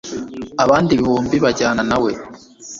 abandi ibihumbi bajyana na we